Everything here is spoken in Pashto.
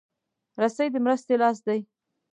رسۍ د مرستې لاس دی.